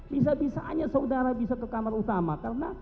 bisa bisaannya saudara bisa ke kamar utama karena